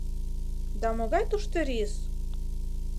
Да могай тушто рис?